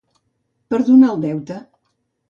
Perdonar el deute.